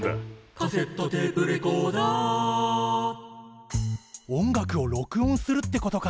「カセットテープレコーダー」音楽を録音するってことか。